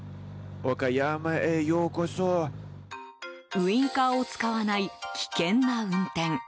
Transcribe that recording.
ウィンカーを使わない危険な運転。